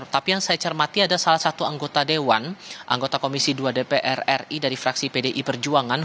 tapi yang saya cermati ada salah satu anggota dewan anggota komisi dua dpr ri dari fraksi pdi perjuangan